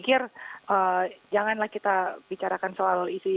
kesempatan sosialisasi yang kami bangun di tengah masyarakat itu sangat tinggi